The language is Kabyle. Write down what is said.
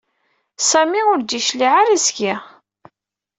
Sami ur d-yecliɛ ara seg-i.